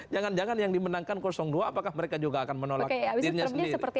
jangan jangan yang dimenangkan dua apakah mereka juga akan menolak dirinya sendiri